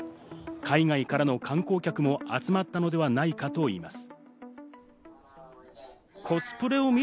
海外からの観光客も集まったのではないかといいます。